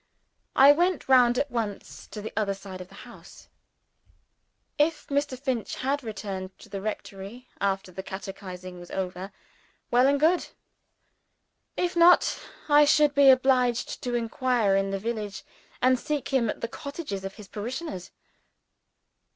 I went round at once to the other side of the house. If Mr. Finch had returned to the rectory, after the catechizing was over, well and good. If not, I should be obliged to inquire in the village and seek him at the cottages of his parishioners.